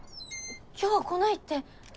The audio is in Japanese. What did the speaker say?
今日は来ないって。